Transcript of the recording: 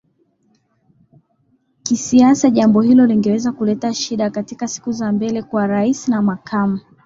kisiasa jambo hilo lingeweza kuleta shida katika siku za mbele kwa Rais na Makamu